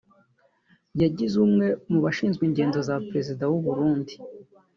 yagizwe umwe mu bashinzwe ingendo za Perezida w’Uburundi